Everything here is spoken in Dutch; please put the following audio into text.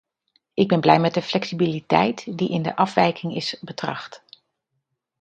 Ik ben blij met de flexibiliteit die in de afwijkingen is betracht.